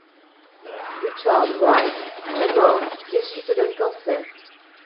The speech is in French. Richard Wright est mort le des suites d'un cancer.